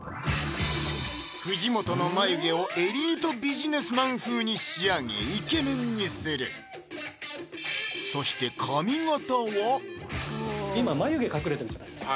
藤本の眉毛をエリートビジネスマン風に仕上げイケメンにするそして髪型は今眉毛隠れてるじゃないですか